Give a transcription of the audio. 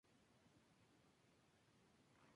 No hay necesidad termodinámica para la senescencia.